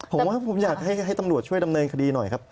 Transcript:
ผมว่ากันห้าตำรวจช่วยดำเนญคดีหน่อยครับ